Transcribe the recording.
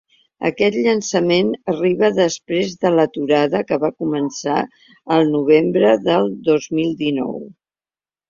Aquest llançament arriba després de l’aturada que van començar el novembre del dos mil dinou.